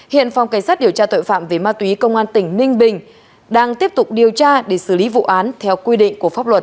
hiện phòng cảnh sát điều tra tội phạm về ma túy công an tỉnh ninh bình đang tiếp tục điều tra để xử lý vụ án theo quy định của pháp luật